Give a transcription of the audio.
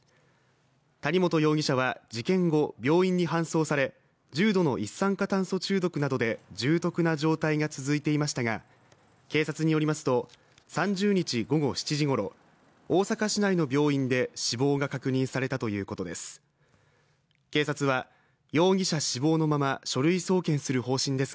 谷本容疑者は事件後、病院に搬送され重度の一酸化炭素中毒などで重篤な状態が続いていましたが、警察によりますと、３０日午後７時ごろ、大阪市内の病院で死亡が確認されたということです。